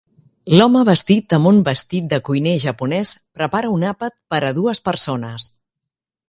L'home vestit amb un vestit de cuiner japonès prepara un àpat per a dues persones.